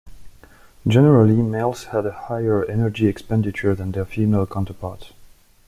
Generally males had a higher energy expenditure than their female counterparts.